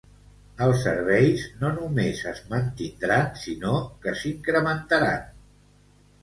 Els serveis no només es mantindran, sinó que s'incrementaran.